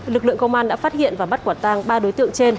lực lượng công an đã phát hiện và bắt quả tang ba đối tượng trên